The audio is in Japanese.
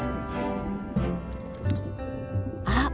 あっ！